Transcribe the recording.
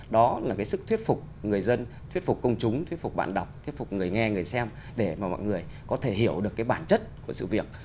đó là cái sức thuyết phục người dân thuyết phục công chúng thuyết phục bạn đọc thuyết phục người nghe người xem để mà mọi người có thể hiểu được cái bản chất của sự việc